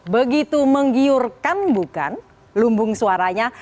begitu menggiurkan bukan lumbung suaranya